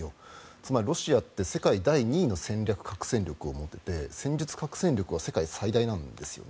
つまりロシアって世界第２の戦略核戦力を持っていて戦術核戦力は世界最大なんですよね。